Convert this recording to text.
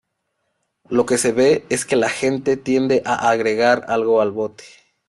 Lo que se ve es que la gente tiende a agregar algo al bote.